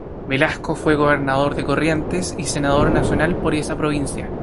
Velazco fue gobernador de Corrientes y senador nacional por esa provincia.